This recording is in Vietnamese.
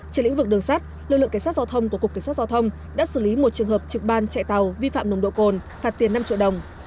trên lĩnh vực đường sát lực lượng cảnh sát giao thông của cục cảnh sát giao thông đã xử lý một trường hợp trực ban chạy tàu vi phạm nồng độ cồn phạt tiền năm triệu đồng